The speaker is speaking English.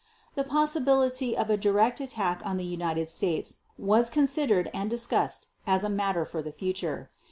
The possibility of a direct attack on the United States was considered and discussed as a matter for the future.